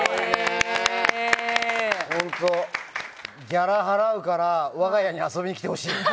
ギャラを払うからわが家に遊びに来てほしい。